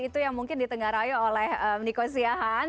itu yang mungkin ditengah rayu oleh niko siahan